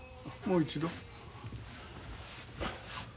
もう一度。